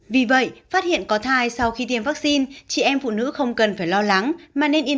vì vậy phát hiện có thai sau khi tiêm vaccine chị em phụ nữ không cần phải lo lắng mà nên in